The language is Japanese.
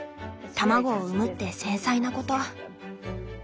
卵を産むって繊細なこと。